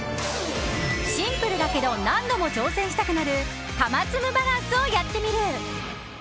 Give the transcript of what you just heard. シンプルだけど何度も挑戦したくなるたまつむバランスをやってみる！